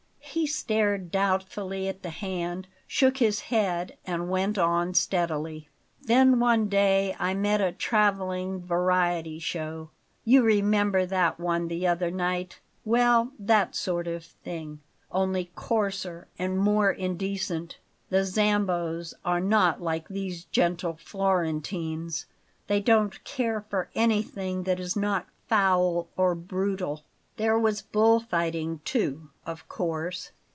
He stared doubtfully at the hand, shook his head, and went on steadily: "Then one day I met a travelling variety show. You remember that one the other night; well, that sort of thing, only coarser and more indecent. The Zambos are not like these gentle Florentines; they don't care for anything that is not foul or brutal. There was bull fighting, too, of course.